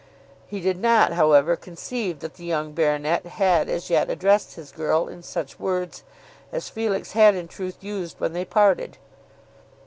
He did not, however, conceive that the young baronet had as yet addressed his girl in such words as Felix had in truth used when they parted.